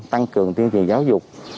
tăng cường tuyên truyền giáo dục